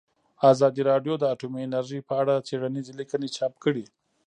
ازادي راډیو د اټومي انرژي په اړه څېړنیزې لیکنې چاپ کړي.